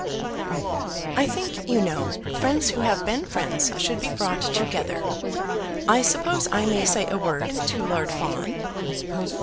"I think, you know, friends who have been friends should be brought together. I suppose I may say a word to Lord Fawn?"